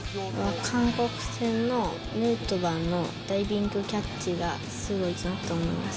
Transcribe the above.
韓国戦のヌートバーのダイビングキャッチがすごいなと思いました。